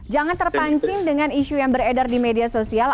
jangan terpancing dengan isu yang beredar di media sosial